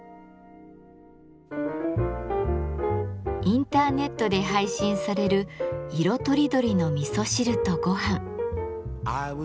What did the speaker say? インターネットで配信される色とりどりの味噌汁とごはん。